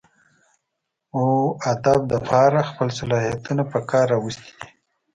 اوادب دپاره خپل صلاحيتونه پکار راوستي دي